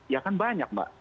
ya kan banyak mbak